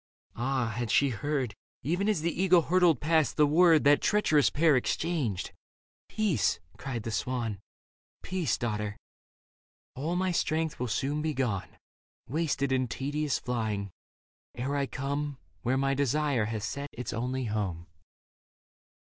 Ah, had she heard. Even as the eagle hurtled past, the word That treacherous pair exchanged. " Peace," cried the swan *' Peace, daughter. All my strength will soon be gone. Wasted in tedious flying, ere I come Where my desire hath set its only home."